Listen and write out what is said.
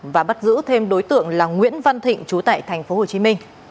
và bắt giữ thêm đối tượng là nguyễn văn thịnh chú tại tp hcm